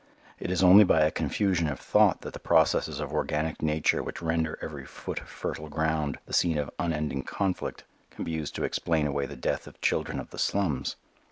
It is only by a confusion of thought that the processes of organic nature which render every foot of fertile ground the scene of unending conflict can be used to explain away the death of children of the slums.